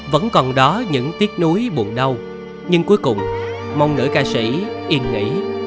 vẫn còn đó những tiếc nuối buồn đau nhưng cuối cùng mong nữ ca sĩ yên nghỉ